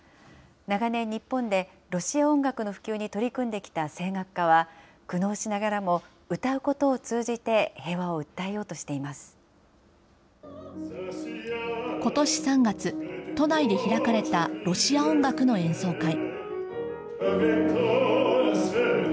長年、日本でロシア音楽の普及に取り組んできた声楽家は、苦悩しながらも、歌うことを通じて平和ことし３月、都内で開かれたロシア音楽の演奏会。